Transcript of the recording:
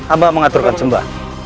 amba mengaturkan jomba